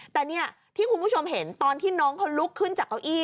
แต่เนี่ยที่คุณผู้ชมเห็นตอนที่น้องเขาลุกขึ้นจากเก้าอี้